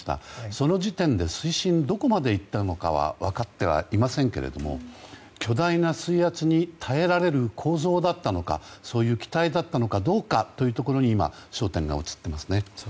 その時点で水深がどこまで行ったのかは分かっていはいませんけれども巨大な水圧に耐えられる構造だったのかそういう機体だったのかどうかに今、焦点が移っていますね。